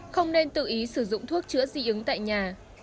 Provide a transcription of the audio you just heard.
không nên tự ý sử dụng thuốc chữa dị ứng tại nhà